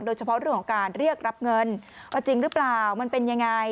โดยเฉพาะเรื่องของการเรียกรับเงินว่าจริงหรือเปล่ามันเป็นยังไง